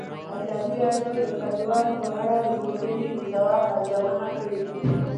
ازادي راډیو د کډوال په اړه د ټولنې د ځواب ارزونه کړې.